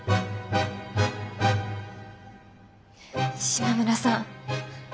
島村さん